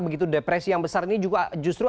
begitu depresi yang besar ini juga justru